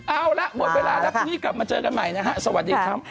เอาละหมดเวลาแล้วพรุ่งนี้กลับมาเจอกันใหม่นะฮะสวัสดีครับ